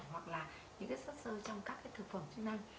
hoặc là những cái xuất sơ trong các cái thực phẩm chức năng